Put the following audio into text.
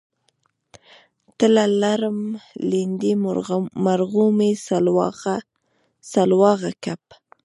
تله لړم لیندۍ مرغومی سلواغه کب